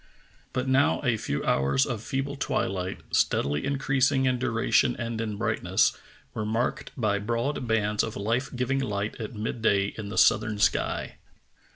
But now a few hours of feeble twilight, steadily in creasing in duration and in brightness, were marked by broad bands of life giving light at mid day in the southern sky.